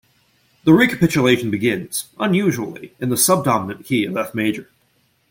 The recapitulation begins, unusually, in the subdominant key of F major.